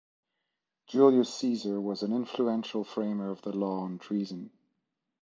Julius Caesar was an influential framer of the law on treason.